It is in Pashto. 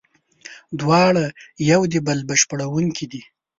دواړه یو د بل بشپړوونکي دي.